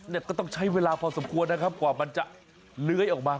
เนี่ยก็ต้องใช้เวลาพอสมควรนะครับกว่ามันจะเลื้อยออกมา